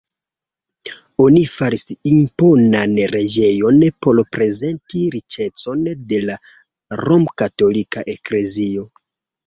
Oni faris imponan preĝejon por prezenti riĉecon de la romkatolika eklezio.